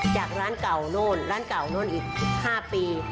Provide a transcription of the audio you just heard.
จากร้านเก่าโน่นร้านเก่าโน่นอีก๕ปี